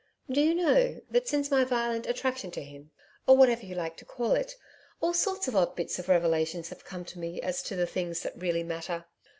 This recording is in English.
Do you know, that since my violent attraction to him or whatever you like to call it all sorts of odd bits of revelation have come to me as to the things that really matter!